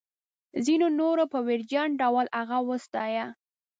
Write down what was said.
ځینو نورو په ویرجن ډول هغه وستایه.